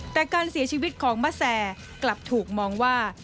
แต่การเสียชีวิตของมะแซกลับถูกมองว่า